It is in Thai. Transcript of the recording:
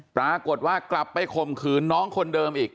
ปรากฏว่ากลับไปข่มขืนน้องคนเดิมอีก